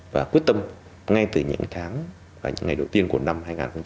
và quyết tâm ngay từ những tháng và những ngày đầu tiên của năm hai nghìn một mươi tám